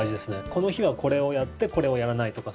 この日はこれをやってこれをやらないとか。